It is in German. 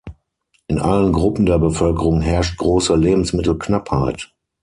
In allen Gruppen der Bevölkerung herrscht große Lebensmittelknappheit.